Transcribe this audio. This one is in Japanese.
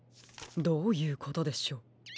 どういうことでしょう？